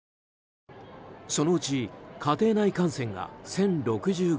そのうち家庭内感染が１０６５